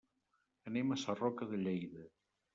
Anem a Sarroca de Lleida.